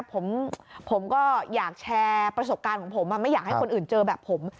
ผมก็อยากแชร์ประสบการณ์ของผมไม่อยากให้คนอื่นเจอแบบผม